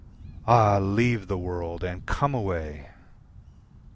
... Ah, leave the world and come away!